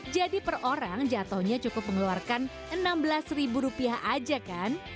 jadi per orang jatuhnya cukup mengeluarkan rp enam belas aja kan